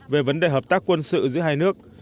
về vấn đề hợp tác quân sự giữa hai nước